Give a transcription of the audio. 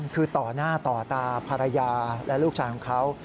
คือต่อหน้าต่อตาภรรยาและลูกชายของเขา